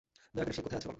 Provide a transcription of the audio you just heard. দয়া করে সে কোথায় আছে বলো।